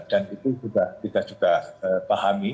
dan itu juga kita juga pahami